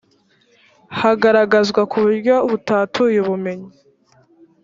hagaragazwa kuburyo butatuye ubumenyi